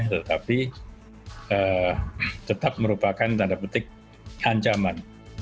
tetapi tetap merupakan tanda petik ancaman